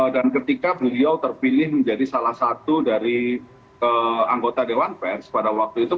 dan ketika beliau terpilih menjadi salah satu dari anggota dewan pers pada waktu itu